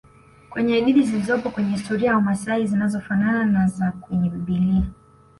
Kwenye hadithi zilizopo kwenye historia ya wamasai zinazofanana na za kwenye bibilia